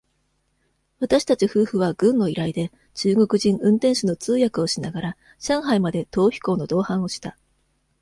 私たち夫婦は、軍の依頼で、中国人運転手の通訳をしながら、上海まで、逃避行の同伴をした。